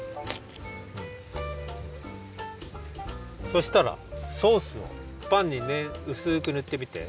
そうしたらソースをパンにねうすくぬってみて！